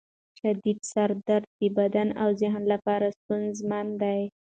شدید سر درد د بدن او ذهن لپاره ستونزمن دی.